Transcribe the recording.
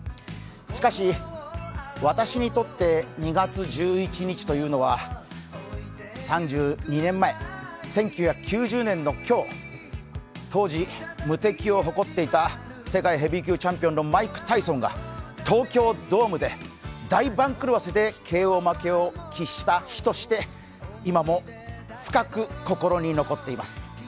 しかし、私にとって２月１１日というのは３２年前、１９９０年の今日、当時、無敵を誇っていた世界ヘビー級チャンピオンのマイク・タイソンが東京ドームで大番狂わせでＫＯ負けを喫した日として今も深く心に残っています。